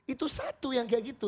itu satu yang kayak gitu